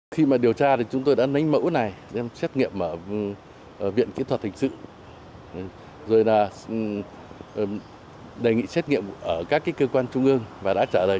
khi mà điều tra thì chúng tôi đã nánh mẫu này xem xét nghiệm ở viện kỹ thuật thành sự rồi là đề nghị xét nghiệm ở các cơ quan trung ương và đã trả lời